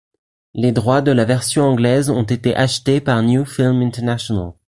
Les droits de la version anglaise ont été achetés par New film International.